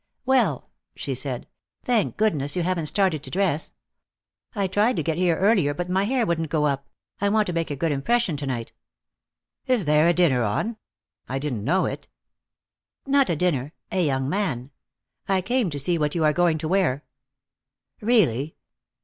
"Well!" she said. "Thank goodness you haven't started to dress. I tried to get here earlier, but my hair wouldn't go up, I want to make a good impression to night." "Is there a dinner on? I didn't know it." "Not a dinner. A young man. I came to see what you are going to wear." "Really!